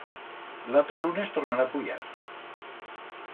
L'atro lunes tornará a puyar.